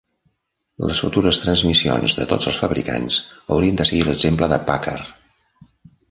Les futures transmissions de tots els fabricants haurien de seguir l'exemple de Packard.